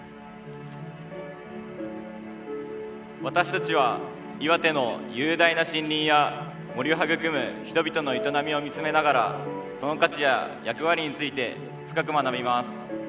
私たちは岩手の雄大な森林や森を育む人々の営みを見つめながらその価値や役割について深く学びます。